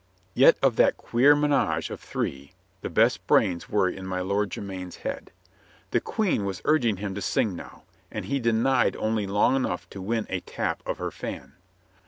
Yet of that queer menage of three, the best brains were in my Lord Jermyn's head. The Queen was urging him to sing now, and he denied only long enough to win a tap of her fan.